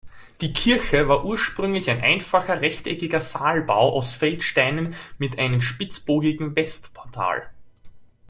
Die Kirche war ursprünglich ein einfacher rechteckiger Saalbau aus Feldsteinen mit einem spitzbogigen Westportal.